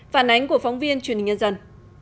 phản ánh của phóng viên truyền hình nhân dân